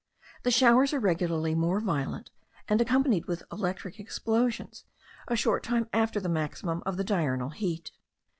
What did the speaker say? The showers are regularly more violent, and accompanied with electric explosions, a short time after the maximum of the diurnal heat.